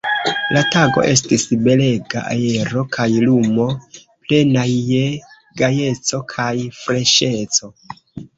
La tago estis belega, aero kaj lumo plenaj je gajeco kaj freŝeco.